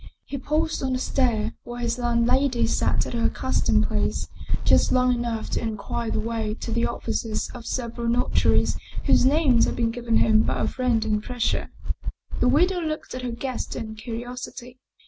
He paused on the stair, where his landlady sat at her accus tomed place, just long enough to inquire the way to the offices of several notaries whose names had been given him by a friend in Brescia. The widow looked at her guest in curiosity.